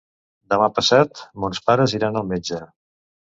Demà passat mons pares iran al metge.